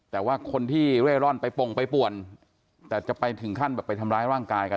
แต่ว่าคนที่เร่ร่อนไปปงไปป่วนแต่จะไปถึงขั้นแบบไปทำร้ายร่างกายกัน